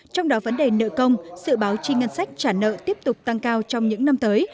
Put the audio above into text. trong đó vấn đề nợ công sự báo chi ngân sách trả nợ tiếp tục tăng cao trong những năm tới